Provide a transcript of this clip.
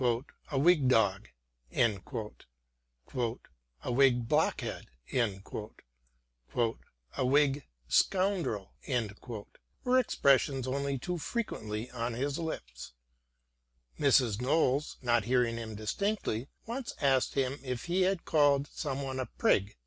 A Whig dog," " A Whig blockhead," "A Whig scoundrel" — were expressions only too frequently on his lips. Mrs. Knowles, not hearing him distinctly, once asked him if he had called some one a prig.